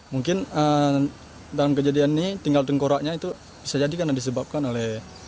mungkin dalam kejadian ini tinggal tengkoraknya itu bisa jadi karena disebabkan oleh